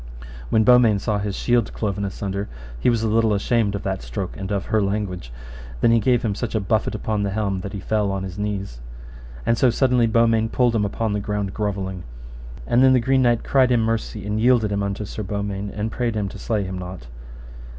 When Beaumains saw his shield cloven asunder he was a little ashamed of that stroke and of her language; and then he gave him such a buffet upon the helm that he fell on his knees. And so suddenly Beaumains pulled him upon the ground grovelling. And then the Green Knight cried him mercy, and yielded him unto Sir Beaumains, and prayed him to slay him not.